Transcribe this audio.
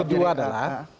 kemudian kedua adalah